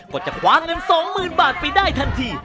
ก็จะคว้าเงิน๒๐๐๐บาทไปได้ทันที